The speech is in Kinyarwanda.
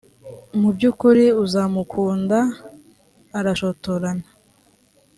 mu byukuri uzamukunda arashotorana.